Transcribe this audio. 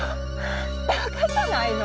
バカじゃないの！？